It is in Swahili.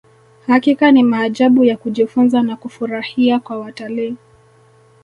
hakika ni maajabu ya kujifunza na kufurahia kwa watalii